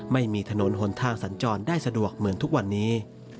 ไม่มีถนนหนทางสัญจรได้สะดวกเหมือนทุกวันนี้